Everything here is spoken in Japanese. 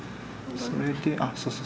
それであっそうそう